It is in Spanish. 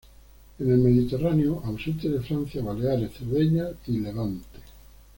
En el Mediterráneo, ausente en Francia, Baleares, Cerdeña y Levante.